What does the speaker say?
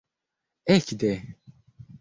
ekde